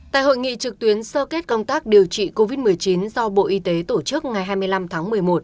tại hội nghị trực tuyến sơ kết công tác điều trị covid một mươi chín do bộ y tế tổ chức ngày hai mươi năm tháng một mươi một